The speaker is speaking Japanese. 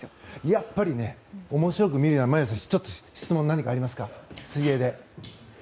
やっぱり面白く見るには眞家さん、何か質問ありますか？